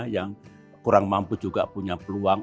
yang kurang mampu juga punya peluang